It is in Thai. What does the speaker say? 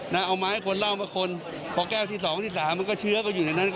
เอาไม้คนเล่ามาคนพอแก้วที่สองที่สามมันก็เชื้อก็อยู่ในนั้น